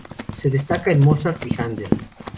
Se destaca en Mozart y Handel.